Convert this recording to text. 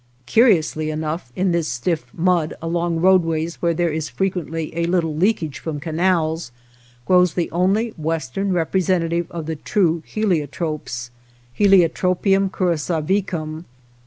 Curiously enough, in this stiff mud, along roadways where there is frequently a little leakage from canals, grows the only western representative of the true helio tropes {He Ho tr opium curassavicum).